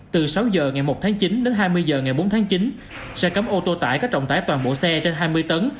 từ sáu h ngày một tháng chín đến hai mươi h ngày bốn tháng chín xe cấm ô tô tải có trọng tải toàn bộ xe trên hai mươi tấn